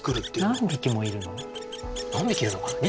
何匹いるのかな？